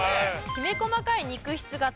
きめ細かい肉質が特徴。